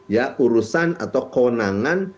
ya urusan atau kewenangan